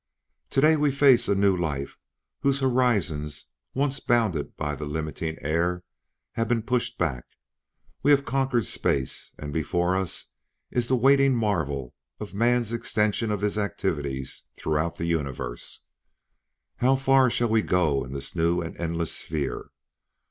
"Today we face a new life whose horizons, once bounded by the limiting air, have been pushed back. We have conquered space, and before us is the waiting marvel of man's extension of his activities throughout the universe. "How far shall we go in this new and endless sphere?